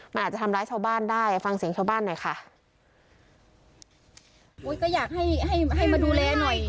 มันอาจจะทำร้ายชาวบ้านได้อ่ะฟังเสียงชาวบ้านหน่อยค่ะอุ้ยก็อยากให้ให้ให้มาดูแลหน่อย